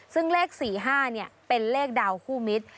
ซึ่งเลข๔๕เป็นเลขดาวคู่มิตร